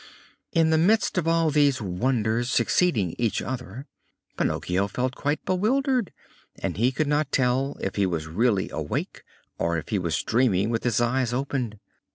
In the midst of all these wonders succeeding each other, Pinocchio felt quite bewildered, and he could not tell if he was really awake or if he was dreaming with his eyes open.